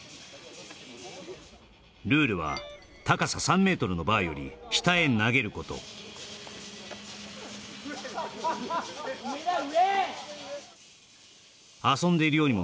ルールは高さ３ｍのバーより下へ投げること・上だ上！